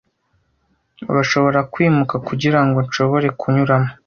Urashobora kwimuka kugirango nshobore kunyuramo?